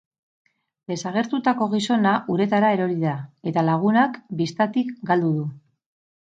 Desagertutako gizona uretara erori da, eta lagunak bistatik galdu du.